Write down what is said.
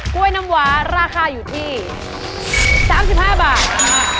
้วยน้ำหวาราคาอยู่ที่๓๕บาท